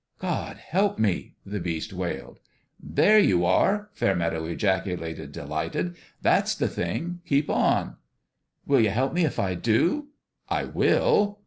" God help me !" the Beast wailed. " There you are !" Fairmeadow ejaculated, delighted. " That's the thing ! Keep on 1 " "Will ye help me if I do?" " I will